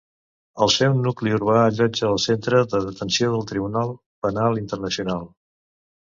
El seu nucli urbà allotja el centre de detenció del Tribunal Penal Internacional.